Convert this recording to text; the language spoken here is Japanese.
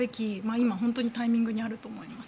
今本当にタイミングにあると思います。